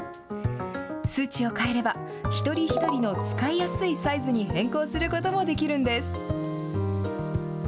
数値を変えれば、一人一人の使いやすいサイズに変更することもできるんです。